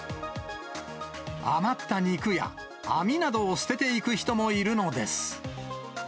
余った肉や網などを捨てていく人もいるのです。